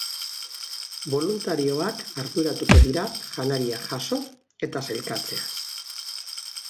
Boluntarioak arduratuko dira janaria jaso eta sailkatzeaz.